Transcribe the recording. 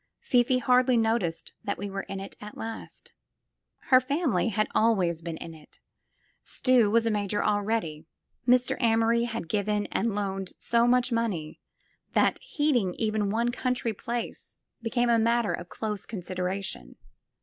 Fifi hardly noticed that we were in it at last — her family had always been in it. Stuy was a major already; Mr. Amory had given and loaned so much money that heating even one country 181 I SQUARE PEGGY place became a matter of close consideration.